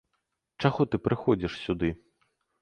Чаго ты прыходзіш сюды?